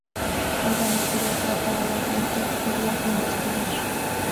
Ella no quería tratar a la gente, quería investigar.